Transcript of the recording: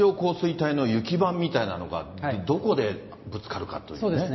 だから線状降水帯の雪版みたいなのが、どこでぶつかるかといそうですね。